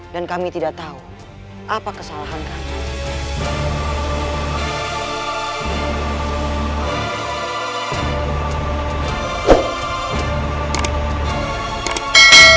dan kami tidak tahu apa kesalahan kami